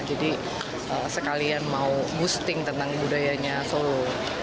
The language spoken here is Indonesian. jadi sekalian mau boosting tentang budayanya solo